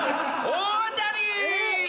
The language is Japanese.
大当たり！